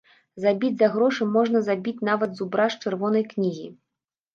Забіць за грошы можна забіць нават зубра з чырвонай кнігі.